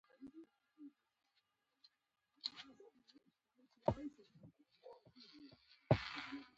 د نړۍ مشهورې سیندونه لویې کښتۍ لیږدوي.